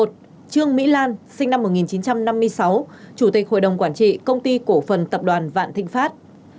một trương mỹ lan sinh năm một nghìn chín trăm năm mươi sáu chủ tịch hội đồng quản trị công ty cổ phần tập đoàn vạn thịnh pháp